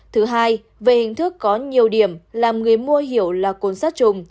thứ hai về hình thức có nhiều điểm làm người mua hiểu là côn sát trùng